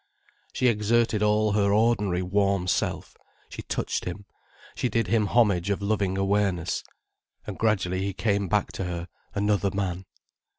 She exerted all her ordinary, warm self, she touched him, she did him homage of loving awareness. And gradually he came back to her, another man.